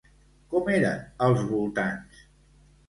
Com eren els voltants?